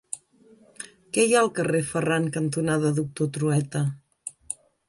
Què hi ha al carrer Ferran cantonada Doctor Trueta?